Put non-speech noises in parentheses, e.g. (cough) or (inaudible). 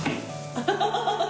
・ハハハ (laughs)